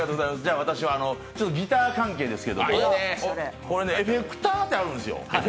私はギター関係ですけれども、エフェクターってあるんですよ。